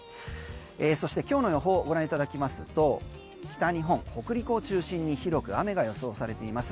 そして今日の予報をご覧いただきますと北日本、北陸を中心に広く雨が予想されています。